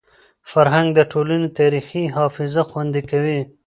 فرهنګ د ټولني تاریخي حافظه خوندي کوي.